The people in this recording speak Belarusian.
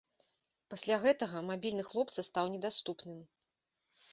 Пасля гэтага мабільны хлопца стаў недаступным.